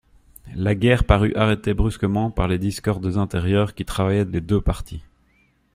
La guerre parut arrêtée brusquement par les discordes intérieures qui travaillaient les deux partis.